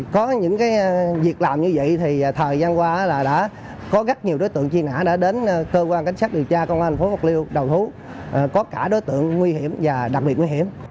có những việc làm như vậy thì thời gian qua là đã có rất nhiều đối tượng truy nã đã đến cơ quan cảnh sát điều tra công an phố bạc liêu đầu thú có cả đối tượng nguy hiểm và đặc biệt nguy hiểm